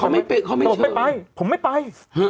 เขาไม่เชิญเขาบอกไม่ไปผมไม่ไป